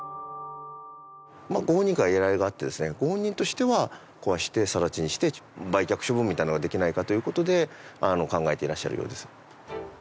ご本人から依頼があってですねご本人としては壊して更地にして売却処分みたいなのができないかという事で考えていらっしゃるようです。